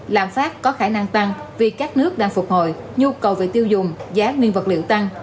lạm phát có khả năng tăng vì các nước đang phục hồi nhu cầu về tiêu dùng giá nguyên vật liệu tăng